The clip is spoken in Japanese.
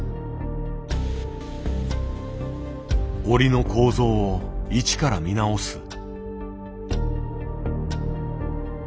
織りの構造を一から見直す。